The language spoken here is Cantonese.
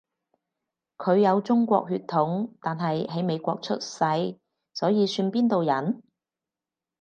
佢有中國血統，但係喺美國出世，所以算邊度人？